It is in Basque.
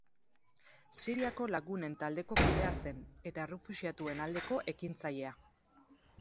Siriako Lagunen taldeko kidea zen, eta errefuxiatuen aldeko ekintzailea.